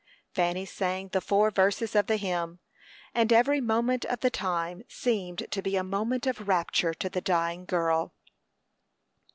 Fanny sang the four verses of the hymn, and every moment of the time seemed to be a moment of rapture to the dying girl.